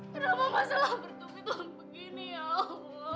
kenapa masalah bertukit tukit begini ya allah